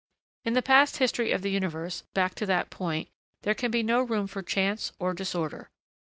In the past history of the universe, back to that point, there can be no room for chance or disorder.